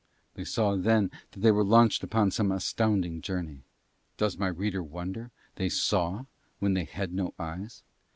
They saw then that they were launched upon some astounding journey. Does my reader wonder they saw when they had no eyes?